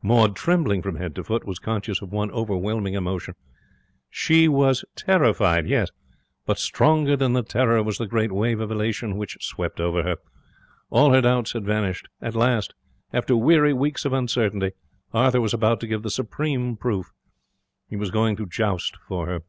Maud, trembling from head to foot, was conscious of one overwhelming emotion. She was terrified yes. But stronger than the terror was the great wave of elation which swept over her. All her doubts had vanished. At last, after weary weeks of uncertainty, Arthur was about to give the supreme proof. He was going to joust for her.